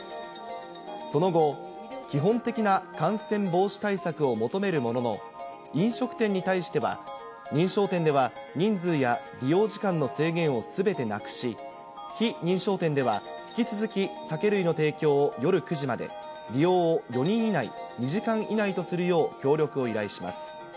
その後、基本的な感染防止対策を求めるものの、飲食店に対しては、認証店では人数や利用時間の制限をすべてなくし、非認証店では、引き続き、酒類の提供を夜９時まで、利用を４人以内、２時間以内とするよう、協力を依頼します。